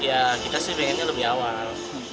ya kita sih pengennya lebih awal